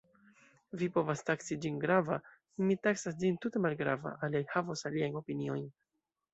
Vi povas taksi ĝin grava, mi taksas ĝin tute malgrava, aliaj havos aliajn opiniojn.